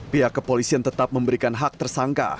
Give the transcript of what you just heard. pihak kepolisian tetap memberikan hak tersangka